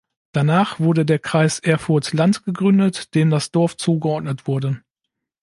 Danach wurde der Kreis Erfurt-Land gegründet, dem das Dorf zugeordnet wurde.